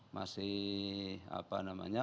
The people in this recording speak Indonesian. masih apa namanya